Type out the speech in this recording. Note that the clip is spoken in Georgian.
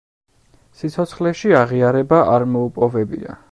სიცოცხლეში აღიარება არ მოუპოვებია.